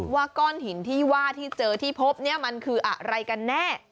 ว่าก้อนหินที่ว่าที่เจอที่พบเนี่ยมันคืออะไรกันแน่